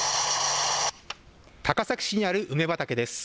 高崎市にある梅畑です。